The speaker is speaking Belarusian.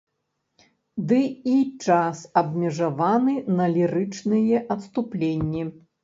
Ды і час абмежаваны на лірычныя адступленні.